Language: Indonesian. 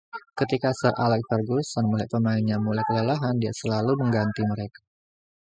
Ketika Sir Alex Ferguson melihat pemainnya mulai kelelahan, dia selalu mengganti mereka.